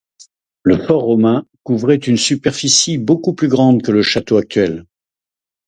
Le fort romain couvrait une superficie beaucoup plus grande que le château actuel.